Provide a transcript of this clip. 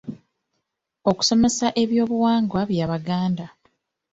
Okusomesa ebyobuwangwa by’Abaganda.